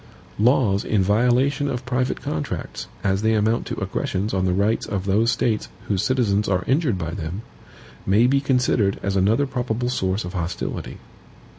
Laws in violation of private contracts, as they amount to aggressions on the rights of those States whose citizens are injured by them, may be considered as another probable source of hostility.